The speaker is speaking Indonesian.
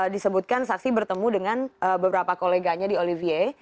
disebutkan saksi bertemu dengan beberapa koleganya di olivier